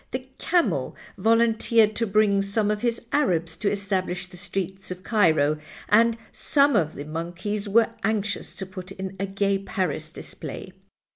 The camel volunteered to bring some of his Arabs to establish the Streets of Cairo, and some of the monkeys were anxious to put in a Gay Paris display.